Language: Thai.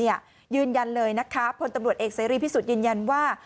ยืนยันเลยนะคะพลตำรวจเอกเสรีพิสุทธิ์ยืนยันว่า